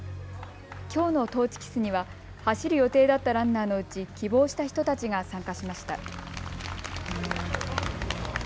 きょうのトーチキスには走る予定だったランナーのうち希望した人たちが参加しました。